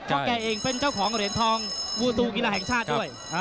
เพราะแกเองเป็นเจ้าของเหรียญทองบูซูกีฬาแห่งชาติด้วย